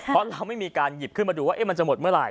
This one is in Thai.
เพราะเราไม่มีการหยิบขึ้นมาดูว่ามันจะหมดเมื่อไห